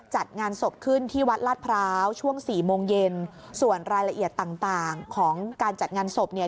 จัดงานศพขึ้นที่วัดลาดพร้าวช่วงสี่โมงเย็นส่วนรายละเอียดต่างต่างของการจัดงานศพเนี่ย